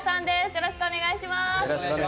よろしくお願いします。